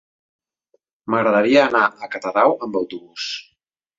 M'agradaria anar a Catadau amb autobús.